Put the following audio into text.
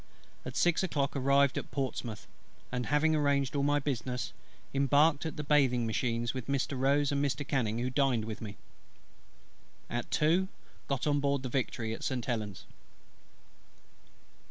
At six o'clock arrived at Portsmouth; and having arranged all my business, embarked at the bathing machines with Mr. ROSE and Mr. CANNING, who dined with me. At two got on board the Victory, at St. Helen's.